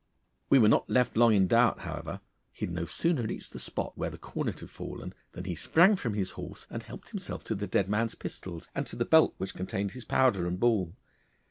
We were not left long in doubt, however. He had no sooner reached the spot where the cornet had fallen than he sprang from his horse and helped himself to the dead man's pistols, and to the belt which contained his powder and ball.